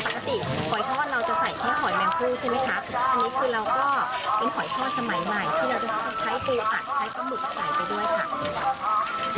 ปกติหอยทอดเราจะใส่แค่หอยแมงพู่ใช่ไหมคะอันนี้คือเราก็เป็นหอยทอดสมัยใหม่ที่เราจะต้องใช้ปูอัดใช้ปลาหมึกใส่ไปด้วยค่ะ